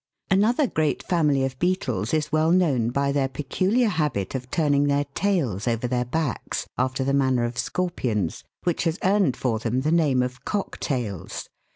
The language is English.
Another great family of beetles is well known by their Fig. 45. THE DKVIL'S COACH HORSE. peculiar habit of turning their tails over their backs, after the manner of scorpions, which has earned for them the name of Cock tails.